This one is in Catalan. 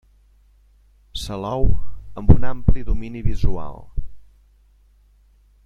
Salou, amb un ampli domini visual.